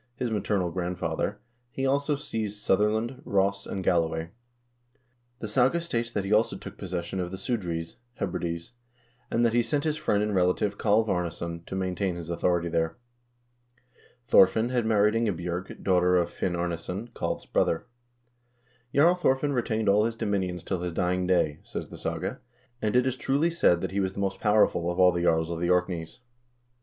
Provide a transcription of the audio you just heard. his maternal grandfather, he also seized Sutherland, Ross, and Galloway. The saga states that he also took possession of the Sudr eys (Hebrides), and that he sent his friend and relative Kalv Arnes son to maintain his authority there. Thorfinn had married Inge bj0rg, daughter of Finn Arnesson, Kalv's brother. "Jarl Thorfinn retained all his dominions till his dying day," says the saga, "and it is truly said that he was the most powerful of all the jarls of the Orkneys."